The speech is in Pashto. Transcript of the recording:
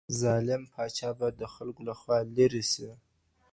ظالم پاچا باید د خلګو لخوا لیرې سي.